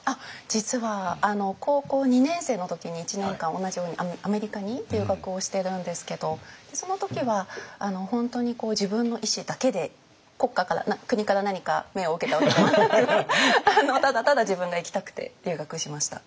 実は高校２年生の時に１年間同じようにアメリカに留学をしてるんですけどその時は本当に自分の意思だけで国家から国から何か命を受けたわけではなくただただ自分が行きたくて留学しました。